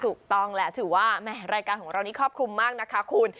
ถูกต้องแหละถือว่าแหมรายการของเรานี้ครอบคลุมมากนะคะคุณ